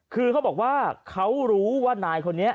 คือเขาบอกว่าเขารู้ว่านายคนนี้